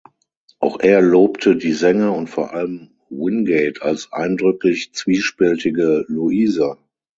Auch er lobte die Sänger und vor allem Wingate als „eindrücklich zwiespältige Luisa“.